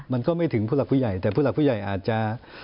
มันก็ไม่ถึงผู้หลักผู้ใหญ่แต่ผู้หลักผู้ใหญ่อาจจะ